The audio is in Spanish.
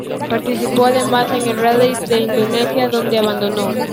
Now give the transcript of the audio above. Participó además en el Rally de Indonesia, donde abandonó.